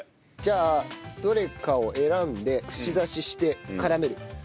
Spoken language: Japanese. じゃあどれかを選んで串刺しして絡める。